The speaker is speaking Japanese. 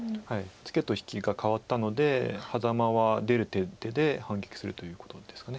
ツケと引きが換わったのでハザマは出る手で反撃するということなんですか。